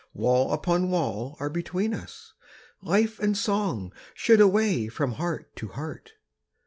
Wall upon wall are between us: life And song should away from heart to heart!